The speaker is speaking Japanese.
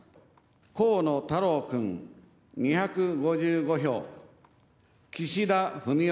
河野太郎君２５５票、岸田文雄